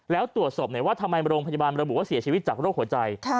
แล้วตรวจสอบหน่อยว่าทำไมโรงพยาบาลระบุว่าเสียชีวิตจากโรคหัวใจ